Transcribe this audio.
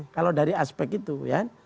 kalau dari aspek itu ya